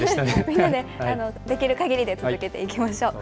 みんなでできるかぎりで続けていきましょう。